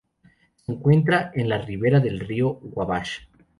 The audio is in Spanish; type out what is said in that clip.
Se encuentra a la ribera del río Wabash.